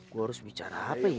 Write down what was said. gue harus bicara apa ya